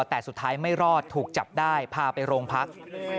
แต่สุดท้ายไม่รอดถูกจับได้พาไปโรงพัก